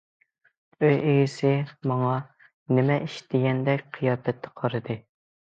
ئۆي ئىگىسى ماڭا:« نېمە ئىش؟» دېگەندەك قىيا پەتتە قارىدى.